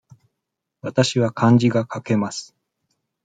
わたしは漢字が書けます。